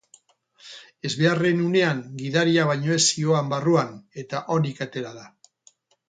Ezbeharraren unean gidaria baino ez zihoan barruan eta onik atera da.